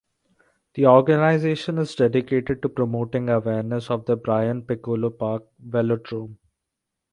The organization is dedicated to promoting awareness of the Brian Piccolo Park Velodrome.